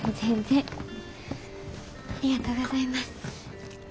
ありがとうございます。